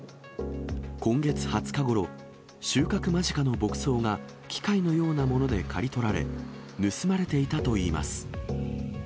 今月２０日ごろ、収穫間近の牧草が機械のようなもので刈り取られ、盗まれていたといいます。